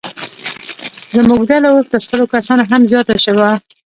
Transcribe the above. زموږ ډله اوس تر سلو کسانو هم زیاته شوه.